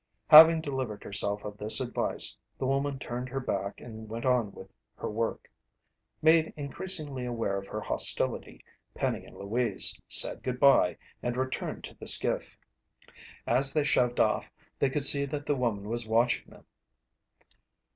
Having delivered herself of this advice, the woman turned her back and went on with her work. Made increasingly aware of her hostility, Penny and Louise said goodbye and returned to the skiff. As they shoved off, they could see that the woman was watching them.